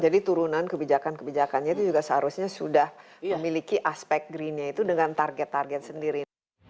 jadi turunan kebijakan kebijakannya itu juga seharusnya sudah memiliki aspek green nya itu dengan target target sendiri